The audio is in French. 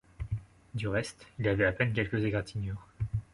Du reste, il avait à peine quelques égratignures.